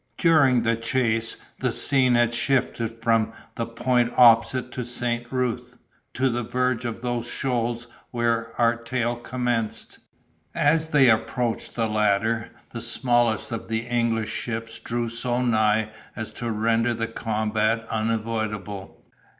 During the chase, the scene had shifted from the point opposite to St. Ruth, to the verge of those shoals where our tale commenced. As they approached the latter, the smallest of the English ships drew so nigh as to render the combat unavoidable.